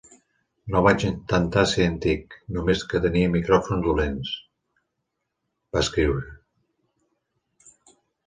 "No vaig intentar ser antic, només que tenia micròfons dolents", va escriure.